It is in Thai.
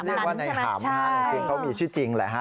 เขาเรียกว่านายหำจริงเขามีชื่อจริงแหละ